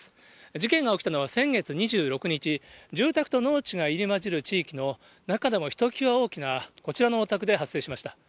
事件が起きたのは先月２６日、住宅と農地が入り交じる地域の、中でもひときわ大きなこちらのお宅で発生しました。